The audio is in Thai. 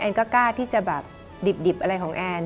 ก็กล้าที่จะแบบดิบอะไรของแอน